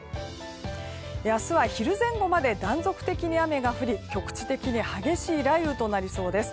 明日は昼前後まで断続的に雨が降り局地的に激しい雷雨となりそうです。